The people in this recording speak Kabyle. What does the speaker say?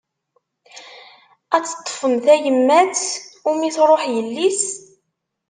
Ad teṭfem tayemmat umi truḥ yelli-s?